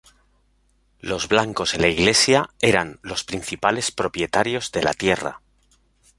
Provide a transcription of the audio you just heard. Los blancos y la Iglesia eran los principales propietarios de la tierra.